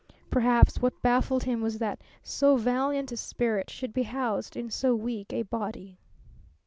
Perhaps what baffled him was that so valiant a spirit should be housed in so weak a body.